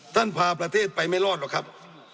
พาประเทศไปไม่รอดหรอกครับ